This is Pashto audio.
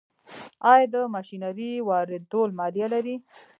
آیا د ماشینرۍ واردول مالیه لري؟